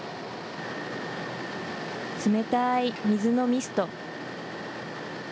冷たい水のミスト。